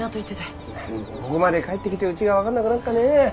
何でこごまで帰ってきてうぢが分がんなぐなっかねえ？